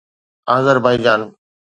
Azerbaijan